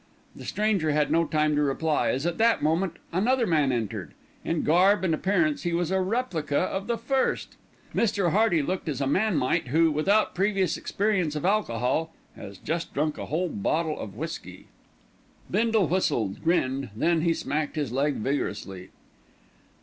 The stranger had no time to reply, as at that moment another man entered. In garb and appearance he was a replica of the first. Mr. Hearty looked as a man might who, without previous experience of alcohol, has just drunk a whole bottle of whisky. Bindle whistled, grinned, then he smacked his leg vigorously.